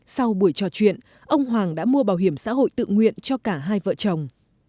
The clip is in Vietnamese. sau buổi trò chuyện ông hoàng đã mua bảo hiểm xã hội tự nguyện cho cả hai vợ chồng